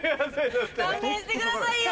勘弁してくださいよ。